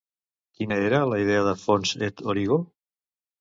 Quina era la idea de Fons et Origo?